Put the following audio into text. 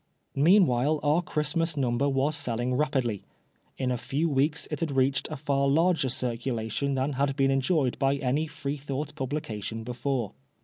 Meanwhile our Christmas Number was selling rapidly. In a few weeks it had reached a far larger circulation than had been enjoyed by any Freethought publication before.